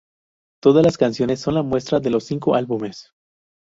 Todas las canciones son la muestra de los cinco álbumes.